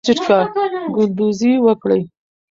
ګلدوزی وکړئ.